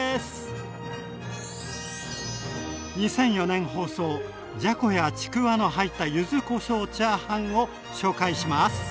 ２００４年放送じゃこやちくわの入った柚子こしょうチャーハンを紹介します。